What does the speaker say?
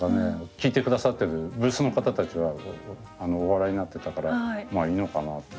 聞いてくださってるブースの方たちはお笑いになってたからまあいいのかなって。